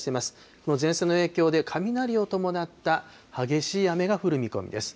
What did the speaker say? この前線の影響で雷を伴った激しい雨が降る見込みです。